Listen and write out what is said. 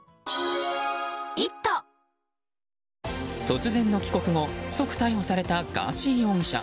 突然の帰国後即逮捕されたガーシー容疑者。